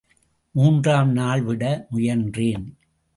மூன்றாம் நாள் விட முயன்றேன்.